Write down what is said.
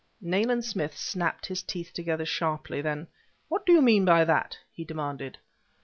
Nayland Smith snapped his teeth together sharply; then: "What do you mean by that?" he demanded.